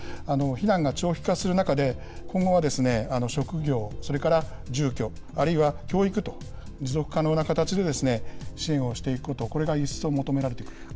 避難が長期化する中で、今後は職業、それから住居、あるいは教育と、持続可能な形で支援をしていくこと、これが一層求められていくと。